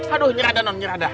aduh nyerada non nyerada